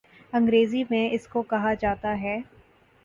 انگریزی میں اس کو کہا جاتا ہے